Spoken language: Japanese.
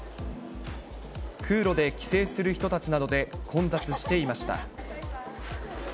空路で帰省する人たちなどで混雑していました。